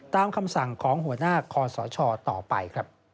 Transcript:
คำสั่งของหัวหน้าคอสชต่อไป